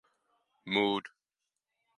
Mood.